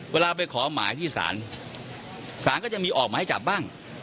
เวลาไปขอหมายที่ศาลศาลก็จะมีออกหมายจับบ้าง